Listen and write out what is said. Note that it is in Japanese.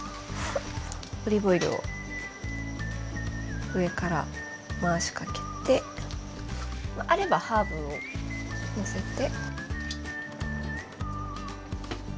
オリーブオイルを上から回しかけてあればハーブをのせて。